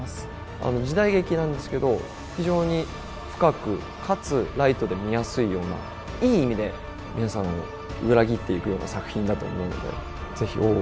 あの時代劇なんですけど非常に深くかつライトで見やすいようないい意味で皆さんを裏切っていくような作品だと思うのでぜひ「大奥」